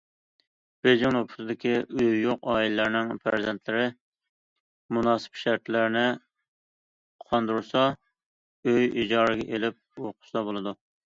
بېيجىڭ نوپۇسىدىكى ئۆيى يوق ئائىلىلەرنىڭ پەرزەنتلىرى مۇناسىپ شەرتلەرنى قاندۇرسا ئۆي ئىجارىگە ئېلىپ ئوقۇسا بولىدۇ.